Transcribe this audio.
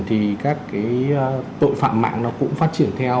thì các cái tội phạm mạng nó cũng phát triển theo